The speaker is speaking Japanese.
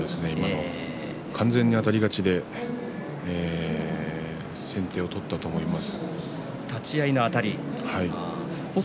完全にあたり勝ちで先手を取ったと思います。